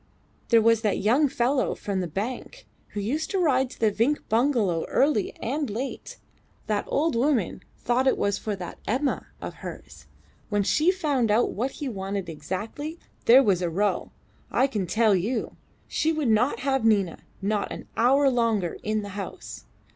There was that young fellow from the bank who used to ride to the Vinck bungalow early and late. That old woman thought it was for that Emma of hers. When she found out what he wanted exactly, there was a row, I can tell you. She would not have Nina not an hour longer in the house.